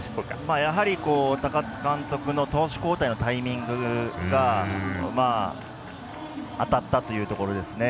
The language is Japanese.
やはり高津監督の投手交代のタイミングが当たったというところですね。